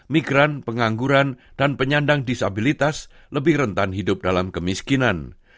migran pengangguran dan penyandang disabilitas lebih rentan hidup dalam kemiskinan